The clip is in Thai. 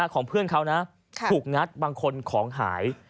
ของเพื่อนเขานะถูกงัดบางคนของหาย